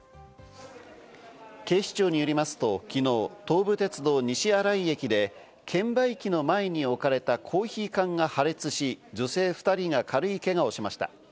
警視庁によりますと昨日、東武鉄道・西新井駅で、券売機の前に置かれたコーヒー缶が破裂し、女性２人が軽いけがをしました。